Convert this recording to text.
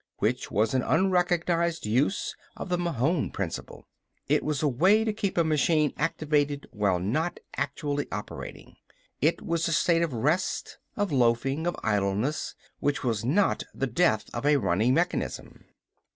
Which was an unrecognized use of the Mahon principle. It was a way to keep a machine activated while not actually operating. It was a state of rest, of loafing, of idleness, which was not the death of a running mechanism.